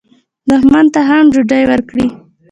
دښمن ته هم ډوډۍ ورکړئ